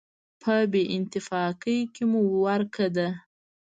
په بېاتفاقۍ کې مو ورکه ده.